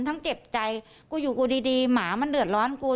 เจ็บใจกูอยู่กูดีดีหมามันเดือดร้อนกู